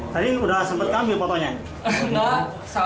tadi sudah sempat ambil fotonya